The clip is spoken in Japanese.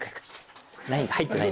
入ってない。